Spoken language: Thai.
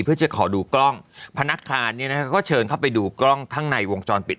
เพื่อจะขอดูกล้องพนักงานเนี่ยนะคะก็เชิญเข้าไปดูกล้องทั้งในวงจรปิด